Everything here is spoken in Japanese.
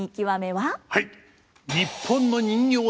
はい！